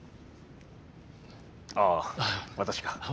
ああ私か。